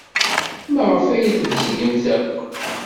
Maɣef ay tbezgemt akk?